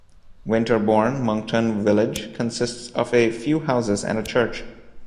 Winterborne Monkton village consists of a few houses and a church.